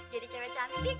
jadi cewe cantik